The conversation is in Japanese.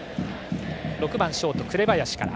６番ショート、紅林から。